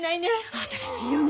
新しいよね。